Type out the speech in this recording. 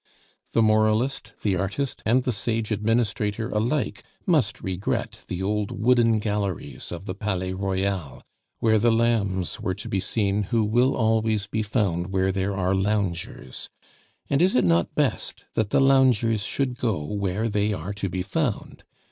The moralist, the artist, and the sage administrator alike must regret the old wooden galleries of the Palais Royal, where the lambs were to be seen who will always be found where there are loungers; and is it not best that the loungers should go where they are to be found?